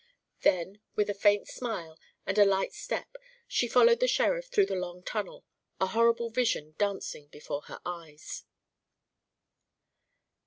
Then with a faint smile and a light step she followed the sheriff through the long tunnel, a horrible vision dancing before her eyes.